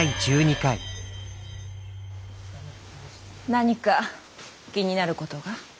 何か気になることが？